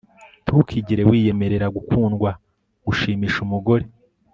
ntukigere wiyemerera gukundwa gushimisha umugore